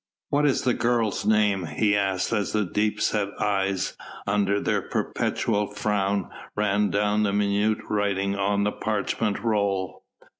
"What is the girl's name?" he asked as his deep set eyes, under their perpetual frown, ran down the minute writing on the parchment roll.